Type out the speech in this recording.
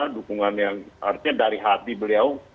dukungan yang artinya dari hati beliau